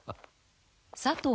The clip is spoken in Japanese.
佐藤